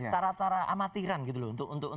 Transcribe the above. cara cara amatiran gitu loh untuk